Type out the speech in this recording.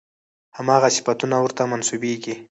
همغه صفتونه ورته منسوبېږي.